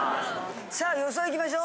さあ予想いきましょう。